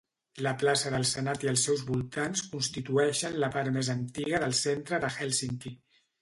La Plaça del Senat i els seus voltants constitueixen la part més antiga del centre de Helsinki.